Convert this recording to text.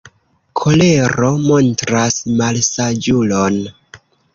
Kolero montras malsaĝulon.